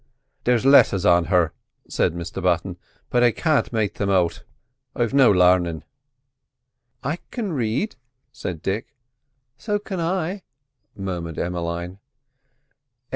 "There's letters on her," said Mr Button. "But I can't make thim out. I've no larnin'." "I can read them," said Dick. "So c'n I," murmured Emmeline.